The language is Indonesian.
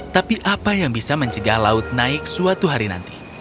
tapi apa yang bisa mencegah laut naik suatu hari nanti